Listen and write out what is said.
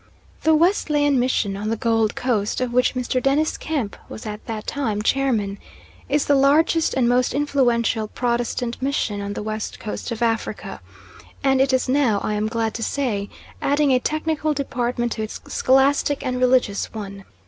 The Wesleyan Mission on the Gold Coast, of which Mr. Dennis Kemp was at that time chairman, is the largest and most influential Protestant mission on the West Coast of Africa, and it is now, I am glad to say, adding a technical department to its scholastic and religious one.